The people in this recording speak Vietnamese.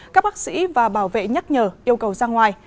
các bác sĩ và bảo vệ nhắc nhở yêu cầu ra ngoài